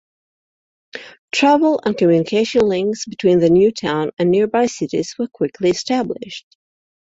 Travel and communication links between the new town and nearby cities were quickly established.